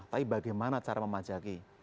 tapi bagaimana cara memajaki